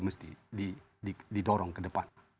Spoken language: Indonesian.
mesti didorong ke depan